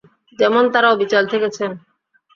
যেমন তারা অবিচল থেকেছেন।